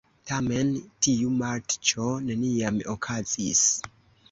Tamen tiu matĉo neniam okazis.